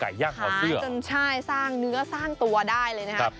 ไก่ย่างถอดเสื้อใช่สร้างเนื้อสร้างตัวได้เลยนะครับครับ